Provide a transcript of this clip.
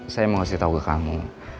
saya mau kasih tahu ke kamu